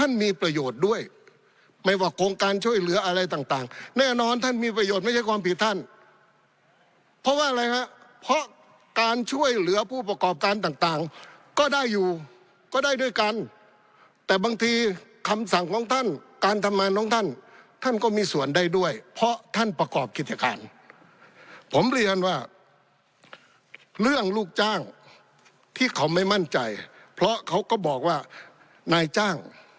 ด้วยไม่ว่าโครงการช่วยเหลืออะไรต่างแน่นอนท่านมีประโยชน์ไม่ใช่ความผิดท่านเพราะว่าอะไรฮะเพราะการช่วยเหลือผู้ประกอบการต่างต่างก็ได้อยู่ก็ได้ด้วยกันแต่บางทีคำสั่งของท่านการทำงานของท่านท่านก็มีส่วนได้ด้วยเพราะท่านประกอบกิจการผมเรียนว่าเรื่องลูกจ้างที่เขาไม่มั่นใจเพราะเขาก็บอกว่านายจ้าง